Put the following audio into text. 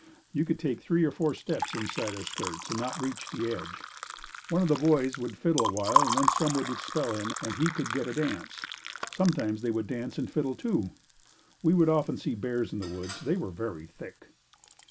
You could take three or four steps inside our skirts and then not reach the edge. One of the boys would fiddle awhile and then someone would spell him and he could get a dance. Sometimes they would dance and fiddle too. We would often see bears in the woods. They were very thick.